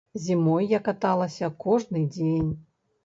Зімой я каталася кожны дзень.